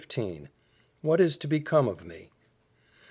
"What is to Become of Me?"